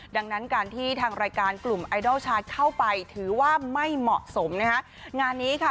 ดังนั้นการที่ทางรายการกลุ่มไอดอลชาร์จเข้าไปถือว่าไม่เหมาะสมนะคะงานนี้ค่ะ